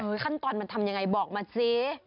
ขั้นตอนมันทำยังไงบอกมาสิ